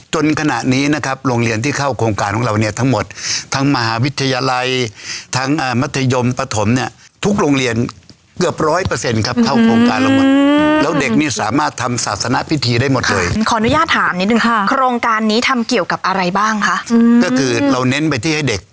จนขณะนี้นะครับโรงเรียนที่เข้าโครงการของเราเนี่ยทั้งหมดทั้งมหาวิทยาลัยทั้งอ่ามัธยมปฐมเนี่ยทุกโรงเรียนเกือบร้อยเปอร์เซ็นต์ครับเข้าโครงการเราหมดแล้วเด็กนี่สามารถทำศาสนพิธีได้หมดเลยขออนุญาตถามนิดนึงค่ะโครงการนี้ทำเกี่ยวกับอะไรบ้างคะก็คือเราเน้นไปที่ให้เด็ก